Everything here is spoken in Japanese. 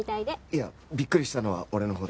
いやびっくりしたのは俺のほう。